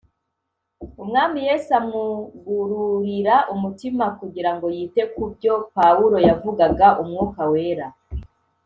Umwami Yesu amwugururira umutima, kugira ngo yite ku byo Pawulo yavugagaUmwuka Wera